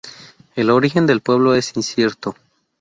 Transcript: El origen del pueblo es incierto.